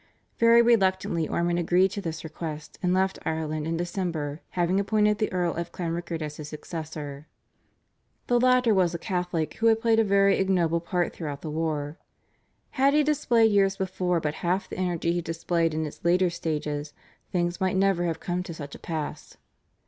Very reluctantly Ormond agreed to this request and left Ireland in December, having appointed the Earl of Clanrickard as his successor. The latter was a Catholic who had played a very ignoble part throughout the war. Had he displayed years before but half the energy he displayed in its later stages things might never have come to such a pass.